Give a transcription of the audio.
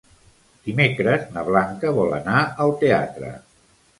Dimecres na Blanca vol anar al teatre.